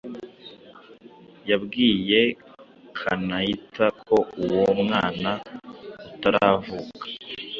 yabwiye kanaitha ko uwo mwana utaravuka,